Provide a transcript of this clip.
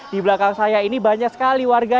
di belakang saya ini banyak sekali warga